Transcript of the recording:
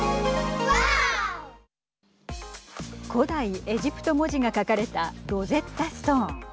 古代エジプト文字が描かれたロゼッタストーン。